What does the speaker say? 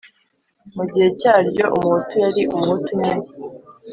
mu gihe cyaryo, umuhutu yari umuhutu nyine